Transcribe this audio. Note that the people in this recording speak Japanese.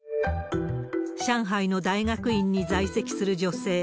上海の大学院に在籍する女性。